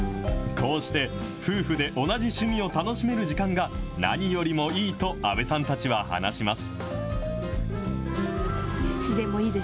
こうして夫婦で同じ趣味を楽しめる時間が何よりもいいと阿部さんたちは話します。